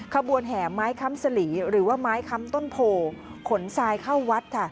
ขบวนแห่ไม้ค้ำสลีหรือว่าไม้ค้ำต้นโพขนทรายเข้าวัดค่ะ